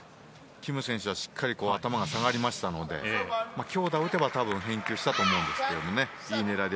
キム選手はしっかり頭が下がりましたので強打を打てば返球したと思うんですが。